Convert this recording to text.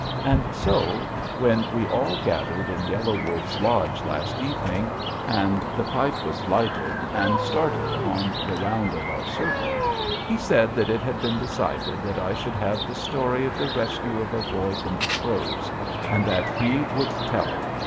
And so, when we all gathered in Yellow Wolf's lodge last evening, and the pipe was lighted and started on the round of our circle, he said that it had been decided that I should have the story of the rescue of a boy from the Crows, and that he would tell it.